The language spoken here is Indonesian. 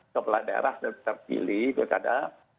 kepeladaan daerah terpilih bilkada dua ribu dua puluh empat